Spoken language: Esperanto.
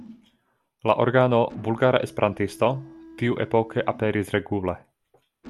La organo "Bulgara Esperantisto" tiuepoke aperis regule.